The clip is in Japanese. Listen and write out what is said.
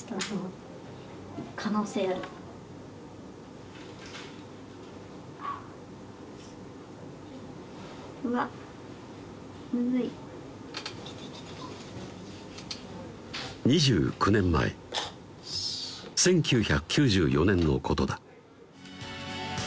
可能性うわっむずい２９年前１９９４年のことだ